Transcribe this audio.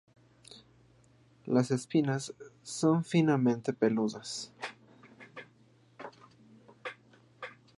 Las espinas son finamente peludas.